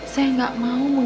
saya gak mau mengganggu mereka